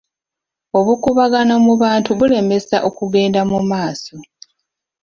Obukuubagano mu bantu bulemesa okugenda mu maaso.